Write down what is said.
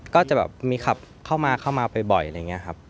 ก็จะแบบมีขับเข้ามาเข้ามาบ่อยอะไรอย่างนี้ครับ